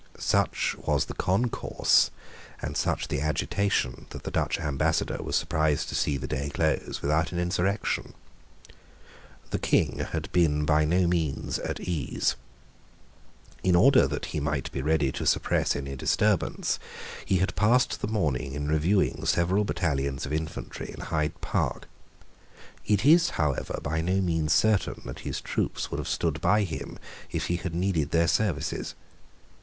Such was the concourse, and such the agitation, that the Dutch Ambassador was surprised to see the day close without an insurrection. The King had been by no means at ease. In order that he might be ready to suppress any disturbance, he had passed the morning in reviewing several battalions of infantry in Hyde Park. It is, however, by no means certain that his troops would have stood by him if he had needed their services.